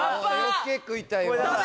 余計食いたいわ